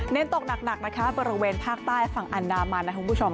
ตกหนักนะคะบริเวณภาคใต้ฝั่งอันดามันนะคุณผู้ชม